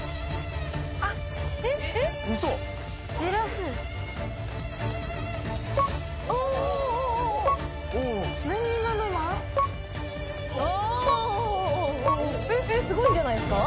すごいんじゃないですか？